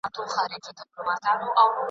ما به دي په خوب کي مرغلین امېل پېیلی وي .